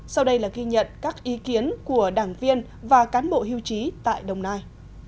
sau đây là ghi nhận các ý kiến của đảng viên và cán bộ hưu trí tại đồng nai